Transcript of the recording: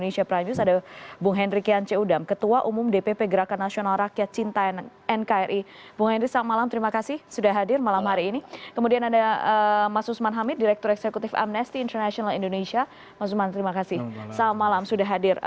selamat malam sudah hadir